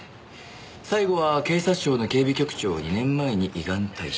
最後は警察庁の警備局長を２年前に依願退職。